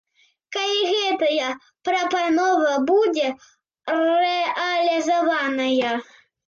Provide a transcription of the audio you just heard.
Калі гэтая прапанова будзе рэалізаваная?